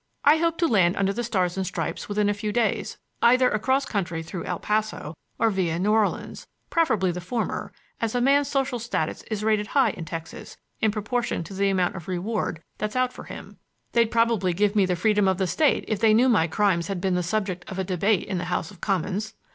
I hope to land under the Stars and Stripes within a few days, either across country through El Paso or via New Orleans—preferably the former, as a man's social position is rated high in Texas in proportion to the amount of reward that's out for him. They'd probably give me the freedom of the state if they knew my crimes had been the subject of debate in the House of Commons.